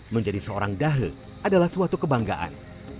menjadi seorang dahel adalah suatu kebanggaan